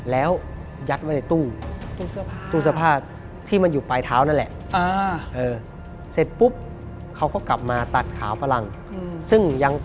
แล้วยัดไว้ในตู้